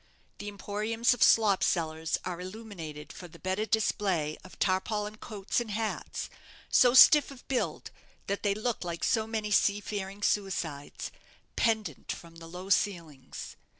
The emporiums of slop sellers are illuminated for the better display of tarpaulin coats and hats, so stiff of build that they look like so many sea faring suicides, pendent from the low ceilings.